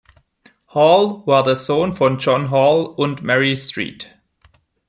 Hall war der Sohn von John Hall und Mary Street.